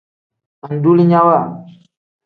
Andulinyawa.